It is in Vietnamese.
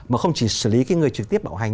mà không chỉ xử lý cái người trực tiếp bạo hành